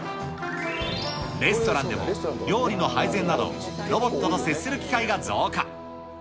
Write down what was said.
レストランでも、料理の配膳など、ロボットと接する機会が増加。